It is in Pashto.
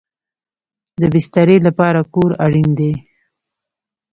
د بسترې لپاره کور اړین دی